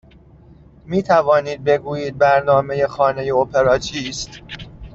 می توانید بگویید برنامه خانه اپرا چیست؟